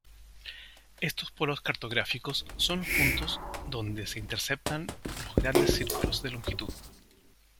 Estos polos cartográficos son los puntos donde se interceptan los grandes círculos de longitud.